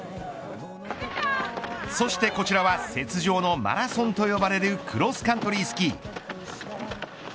そしてこちらは雪上のマラソンと呼ばれるクロスカントリースキー。